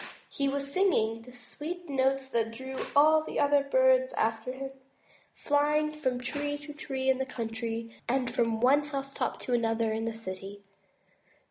He was singing the sweet notes that drew all the other birds after him, flying from tree to tree in the country, and from one house top to another in the city.